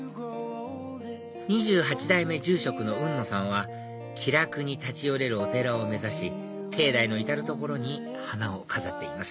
２８代目住職の海野さんは気楽に立ち寄れるお寺を目指し境内の至る所に花を飾っています